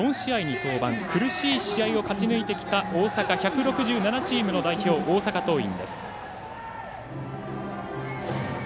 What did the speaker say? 登板苦しい試合を勝ち抜いてきた１６７チームの代表、大阪桐蔭。